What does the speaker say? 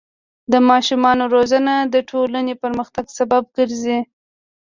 د ماشومانو روزنه د ټولنې پرمختګ سبب ګرځي.